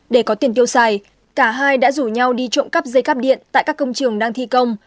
để có tiền tiêu xài cả hai đã rủ nhau đi trộm cắp dây cắp điện tại các công trường đang thi công